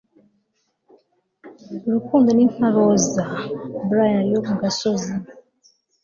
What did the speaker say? urukundo ni nka roza-briar yo mu gasozi